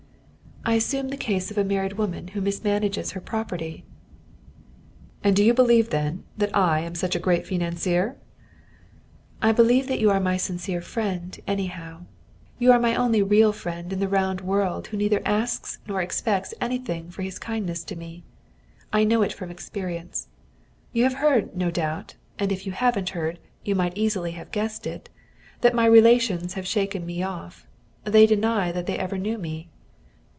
"I assume the case of a married woman who mismanages her property." "And do you believe, then, that I am such a great financier?" "I believe that you are my sincere friend, anyhow. You are my only real friend in the round world who neither asks nor expects anything for his kindness to me. I know it from experience. You have heard, no doubt (and if you haven't heard, you might easily have guessed it), that my relations have shaken me off. They deny that they ever knew me.